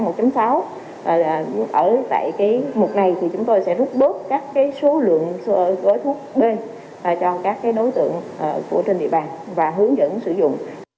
ở tại mục này thì chúng tôi sẽ rút bớt các số lượng gói thuốc b cho các đối tượng trên địa bàn và hướng dẫn sử dụng